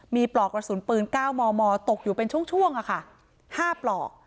มีปลอกกระสุนปืน๙มมตกอยู่เป็นช่วง๕ปลอก